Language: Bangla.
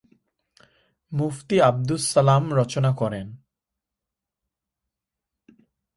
মুফতি আবদুস সালাম রচনা করেন।